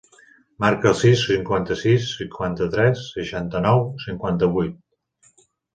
Marca el sis, cinquanta-sis, cinquanta-tres, seixanta-nou, cinquanta-vuit.